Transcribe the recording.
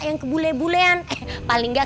yang kebule bulean eh paling nggak